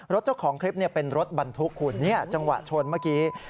เจ้าของคลิปเป็นรถบรรทุกคุณจังหวะชนเมื่อกี้